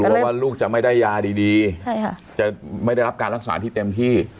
ว่าลูกจะไม่ได้ยาดีจะไม่ได้รับการรักษาที่เต็มที่